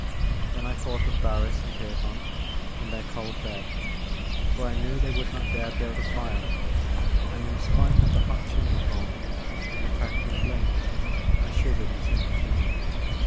Then I thought of Barris and Pierpont, and their cold bed, for I knew they would not dare build a fire, and, in spite of the hot chimney comer and the crackling blaze, I shivered in sympathy.